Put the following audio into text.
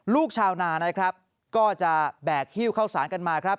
ลูกชาวนานะครับก็จะแบกฮิ้วเข้าสารกันมาครับ